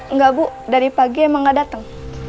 nggak bu dari pagi emang nggak dateng